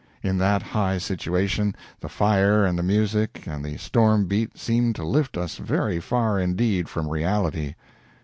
In that high situation, the fire and the music and the stormbeat seemed to lift us very far indeed from reality.